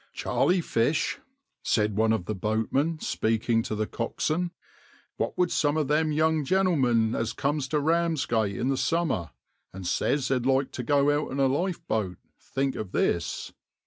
\par "Charlie Fish," said one of the boatmen, speaking to the coxswain, "what would some of them young gen'l'men as comes to Ramsgate in the summer, and says they'd like to go out in the lifeboat, think of this?"